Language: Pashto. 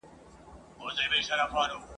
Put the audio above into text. زه یم که مي نوم دی که هستي ده سره مله به یو !.